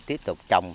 tiếp tục trồng